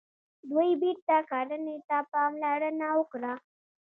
دوی بیرته کرنې ته پاملرنه وکړه.